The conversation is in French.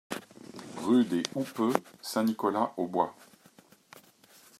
Rue des Houppeux, Saint-Nicolas-aux-Bois